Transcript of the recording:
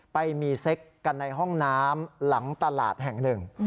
ไปมีเซ็กกันในห้องน้ำหลังตลาดแห่งหนึ่ง